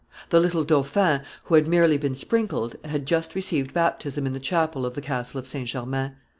The little dauphin, who had merely been sprinkled, had just received baptism in the chapel of the Castle of St. Germain.